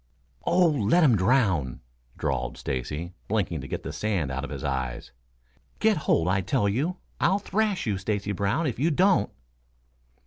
"Oh, let 'im drown," drawled Stacy, blinking to get the sand out of his eyes. "Get hold, I tell you! I'll thrash you, Stacy Brown, if you don't!"